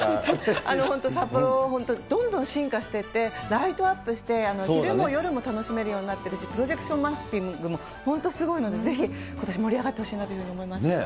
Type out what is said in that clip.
本当、札幌、本当、どんどん進化していって、ライトアップして昼も夜も楽しめるようになってるし、プロジェクションマッピングも、本当すごいのでぜひ、ことし、盛り上がってほしいなというふうに思います。